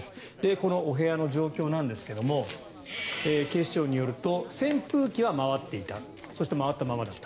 このお部屋の状況ですが警視庁によると扇風機は回っていたそして、回ったままだった。